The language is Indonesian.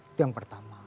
itu yang pertama